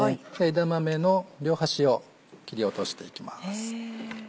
枝豆の両端を切り落としていきます。